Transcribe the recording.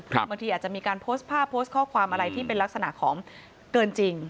บางทีอาจจะมีการโพสต์ภาพโพสต์ข้อความอะไรที่เป็นลักษณะของเกินจริง